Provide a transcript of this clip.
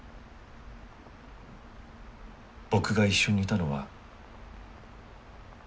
僕が一緒にいたのは。